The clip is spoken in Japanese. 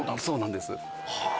そうなんです。